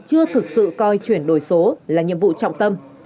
chưa thực sự coi chuyển đổi số là nhiệm vụ trọng tâm